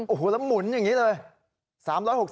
โอ้โหแล้วหมุนอย่างนี้เลย